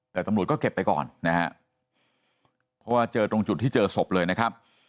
แต่ตำรวจก็เก็บไปก่อนนะฮะเพราะว่าเจอตรงจุดที่เจอศพเลยนะครับ